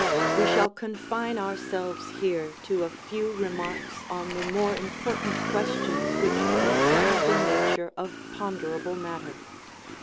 We shall confine ourselves here to a few remarks on the more important questions which concern the nat ure of ponderable matter.